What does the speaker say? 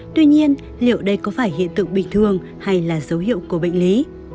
tuy nhiên liệu đây có phải hiện tượng bình thường hay là dấu hiệu của bệnh lý